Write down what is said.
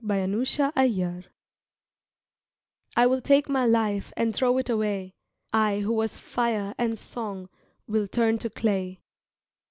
TESTAMENT I SAID, "I will take my life And throw it away; I who was fire and song Will turn to clay."